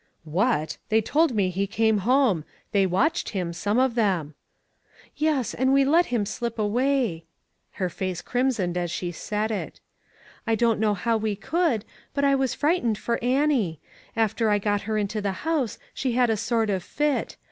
" What ! They told me he came home. They watched him, some of them." " Yes, and we let him slip away." Her face crimsoned as she said it. " I don't know how we could, but I was frightened for Annie. After I got her into the house she had a sort of fit.